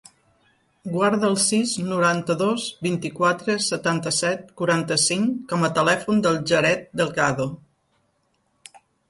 Guarda el sis, noranta-dos, vint-i-quatre, setanta-set, quaranta-cinc com a telèfon del Jared Delgado.